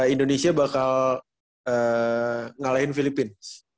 indonesia bakal ngalahin filipina